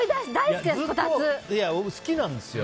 好きなんですよ。